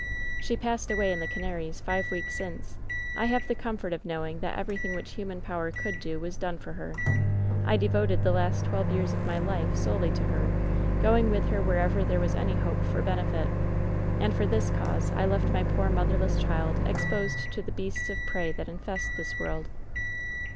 " ^She passed away in the Canaries, five weeks since. I have the comfort of knowing that everything which human power could do was done for her. I devoted the last twelve years of my life solely to her, going with her wherever there was any hope for benefit. And for this cause I left my poor motherless child exposed to the beasts of prey that infest this world.